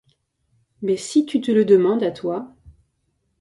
Mais si tu te le demandes à toi.